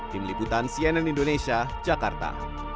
tim liputan cnn indonesia jakarta